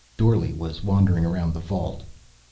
Dorle was wandering around the vault.